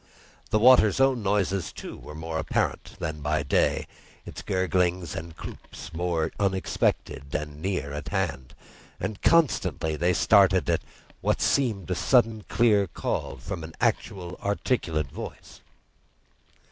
The water's own noises, too, were more apparent than by day, its gurglings and "cloops" more unexpected and near at hand; and constantly they started at what seemed a sudden clear call from an actual articulate voice.